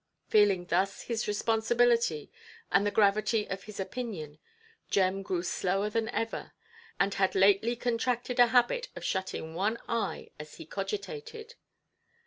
Feeling thus his responsibility, and the gravity of his opinion, Jem grew slower than ever, and had lately contracted a habit of shutting one eye as he cogitated.